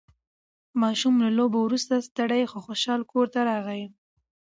ماشوم له لوبو وروسته ستړی خو خوشحال کور ته راغی